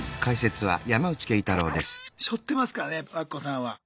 しょってますからね和歌子さんは。